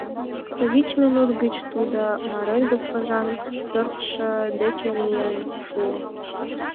Вич минут гыч тудо Марель госпожан пӧртшӧ деке миен шуо.